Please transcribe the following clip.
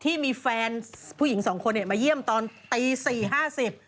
ที่มีแฟนผู้หญิงสองคนเนี่ยมาเยี่ยมตอนตีสี่ห้าสิบ